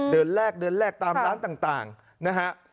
แรกเดินแลกตามร้านต่างนะฮะ